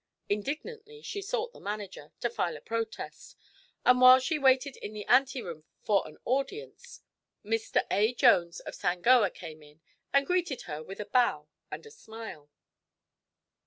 Indignantly she sought the manager, to file a protest, and while she waited in the anteroom for an audience, Mr. A. Jones of Sangoa came in and greeted her with a bow and a smile.